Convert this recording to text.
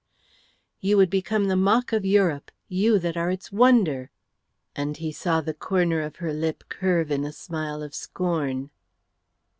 "You would become the mock of Europe, you that are its wonder;" and he saw the corner of her lip curve in a smile of scorn.